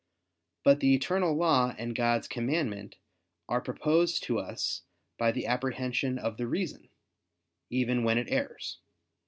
But the eternal law and God's commandment are proposed to us by the apprehension of the reason, even when it errs.